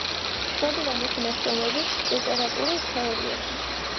ცნობილია მისი ნაშრომები ლიტერატური თეორიაში.